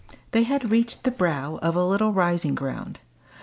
They had reached the brow of a little rising ground.